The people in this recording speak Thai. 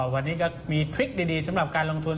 วันนี้ก็มีทริคดีสำหรับการลงทุน